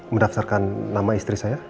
mendaftarkan nama istri saya